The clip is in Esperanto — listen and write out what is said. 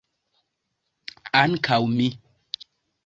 Ankaŭ mi.